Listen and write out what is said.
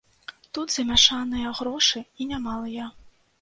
Тут замяшаныя грошы, і немалыя.